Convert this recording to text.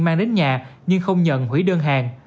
mang đến nhà nhưng không nhận hủy đơn hàng